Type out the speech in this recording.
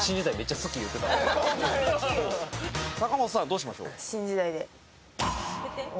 坂本さんどうしましょう？